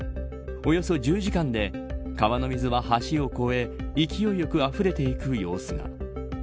およそ１０時間で川の水は橋を越え勢いよく、あふれていく様子が。